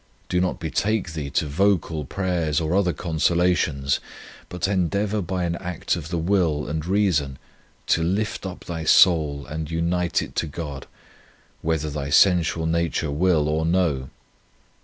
Do not betake thee to vocal prayers or other consolations, but endeavour by an act of the will and reason to lift up thy soul and unite it to God, whether thy sensual nature will or no.